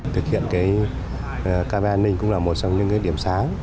thực hiện camera an ninh cũng là một trong những điểm sáng